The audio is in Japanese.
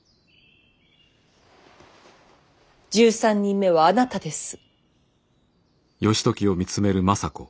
１３人目はあなたです。